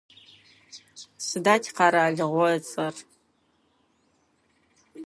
Сыда тикъэралыгъо ыцӏэр?